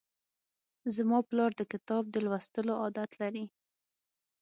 زما پلار د کتاب د لوستلو عادت لري.